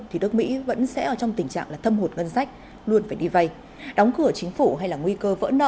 thì nước mỹ vẫn sẽ ở trong tình trạng thâm hụt ngân sách